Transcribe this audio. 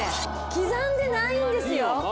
刻んでないんですよ。